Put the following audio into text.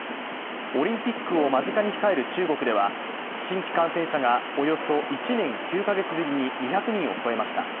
オリンピックを間近に控える中国では、新規感染者がおよそ１年９カ月ぶりに２００人を超えました。